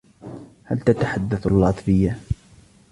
هل تتحدث اللاتفية؟